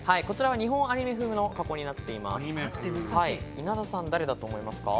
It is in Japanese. こちらは日本アニメ風の加工になっています。